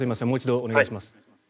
もう一度お願いします。